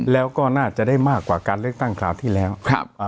แล้วก็น่าจะได้มากกว่าการเลือกตั้งคราวที่แล้วครับอ่า